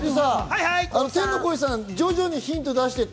天の声さん、徐々にヒントを出してって！